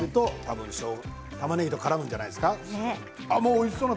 おいしそう。